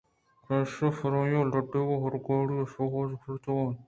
پمیشا پرآئی ءِ لَڈّگ ءَ حرگاڑی ئِےءِ شوہاز ءَ شُتگ اَت